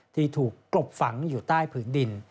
ที่ถูกกลบฝังอยู่ใต้ผืนดิน